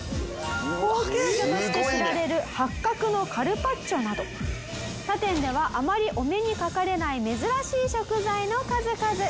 高級魚として知られるハッカクのカルパッチョなど他店ではあまりお目にかかれない珍しい食材の数々。